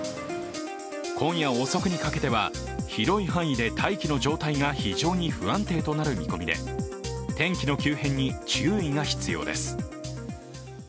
今夜遅くにかけては広い範囲で大気の状態が非常に不安定となる見込みで、天気の急変に注意が必要です。